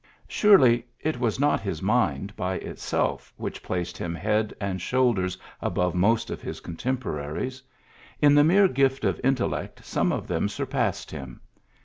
Surely, it was not his mind by itself which placed him head and shoulders above most of his contemporaries. In the mere gift of intellect some of them surpassed him.